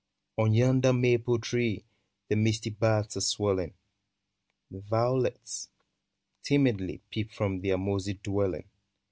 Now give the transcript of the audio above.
On yonder maple tree The misty buds are swelling ; Violets, timidly. Peep from their mossy dwelling.